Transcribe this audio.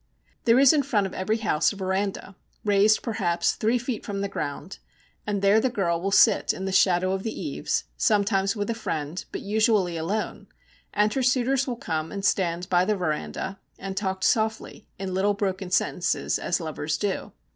There is in front of every house a veranda, raised perhaps three feet from the ground, and there the girl will sit in the shadow of the eaves, sometimes with a friend, but usually alone; and her suitors will come and stand by the veranda, and talk softly in little broken sentences, as lovers do.